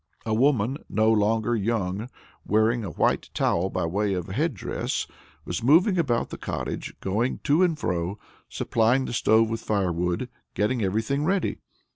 A woman, no longer young, wearing a white towel by way of head dress, was moving about the cottage, going to and fro, supplying the stove with firewood, getting everything ready.